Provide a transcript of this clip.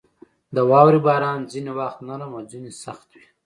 • د واورې باران ځینې وخت نرم او ځینې سخت وي.